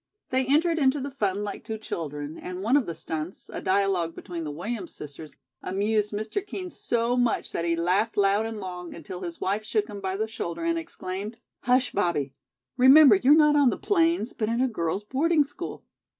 They entered into the fun like two children, and one of the stunts, a dialogue between the Williams sisters, amused Mr. Kean so much that he laughed loud and long, until his wife shook him by the shoulder and exclaimed: "Hush, Bobbie. Remember, you're not on the plains, but in a girls' boarding school."